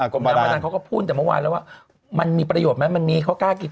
กรมการพนันเขาก็พูดแต่เมื่อวานแล้วว่ามันมีประโยชนไหมมันมีเขากล้ากิน